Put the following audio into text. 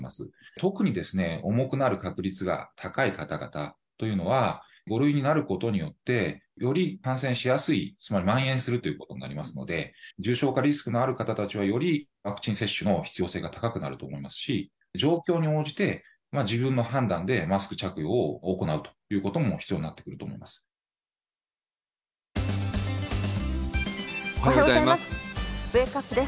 特に重くなる確率が高い方々というのは、５類になることによって、より感染しやすい、つまりまん延するということになりますので、重症化リスクのある方たちはよりワクチン接種の必要性が高くなると思いますし、状況に応じて、自分の判断でマスク着用を行うということも必要になってくると思います。